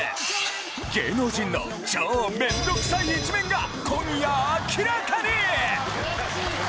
芸能人の超めんどくさい一面が今夜明らかに！